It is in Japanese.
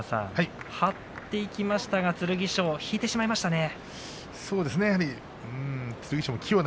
張っていきましたが、剣翔引いてしまいましたね。